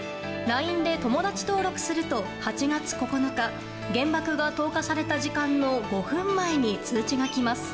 ＬＩＮＥで友達登録すると８月９日原爆が投下された時間の５分前に通知が来ます。